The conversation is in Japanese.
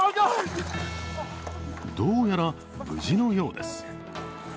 どうやら、無事のようです。